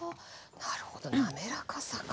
なるほど滑らかさか。